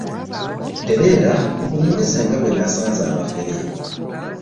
Teleera nkunyumize nga bwenasanze abafere .